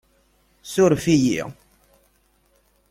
Suref-iyi.